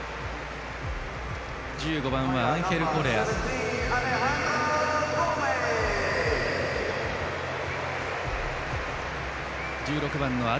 １５番はアンヘル・コレア。